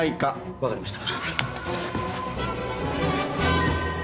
分かりました。